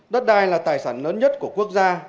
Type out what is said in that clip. đất đai là tài sản lớn nhất của quốc gia